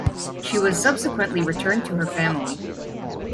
She was subsequently returned to her family.